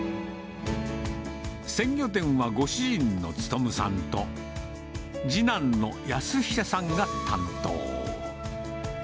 鮮魚店はご主人の力さんと、次男の安久さんが担当。